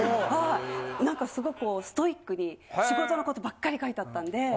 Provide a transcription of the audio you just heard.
はい何かすごくストイックに仕事のことばっかり書いてあったんで。